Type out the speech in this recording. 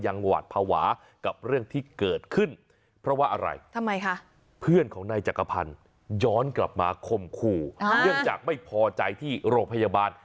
เนื่องจากไม่พอใจที่โรงพยาบาล